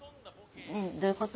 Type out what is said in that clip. ねえどういうこと？